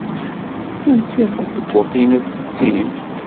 Lsiɣ takebbuḍt-inu tetti.